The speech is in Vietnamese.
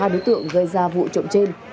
hai đối tượng gây ra vụ trộm trên